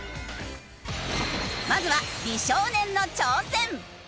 まずは美少年の挑戦。